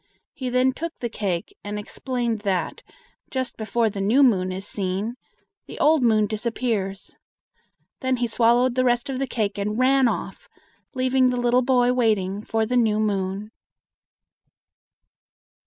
He then took the cake, and explained that, just before the new moon is seen, the old moon disappears. Then he swallowed the rest of the cake and ran off, leaving the little boy waiting for the new moon.